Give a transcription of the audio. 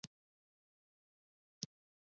اکسیجن زموږ لپاره څه ګټه لري.